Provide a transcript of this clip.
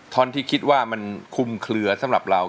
ท่อนที่คิดว่ามันคุมเคลือสำหรับเรา